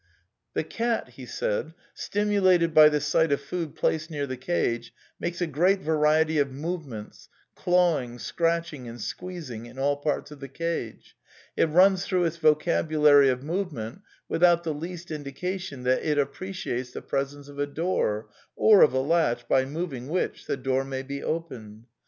96 A DEFENCE OF IDEALISM ^^The cat> stimulated by the sight of food placed near the cage, makes a great variety of movements, clawing, scratching and squeezing in all parts of the cage; it runs through its vo cabulary of movement without the least indication that it ap preciates the presence of a door, or of a latch by moving which the door may be opened.